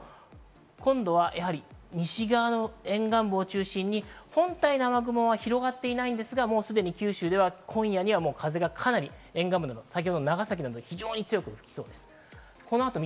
今度は西側の沿岸部を中心に本体の雨雲は広がっていないんですが、すでに九州では今夜には風がかなり沿岸部、長崎などでは非常に強く吹きそうです。